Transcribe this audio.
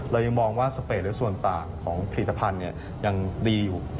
เรายังมองว่าสเปดและส่วนต่างของผลิตภัณฑ์ยังดีอยู่